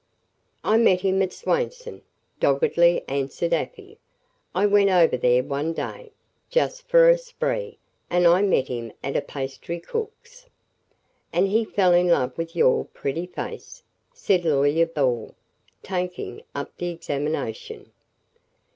"I met him at Swainson," doggedly answered Afy. "I went over there one day, just for a spree, and I met him at a pastrycook's." "And he fell in love with your pretty face?" said Lawyer Ball, taking up the examination.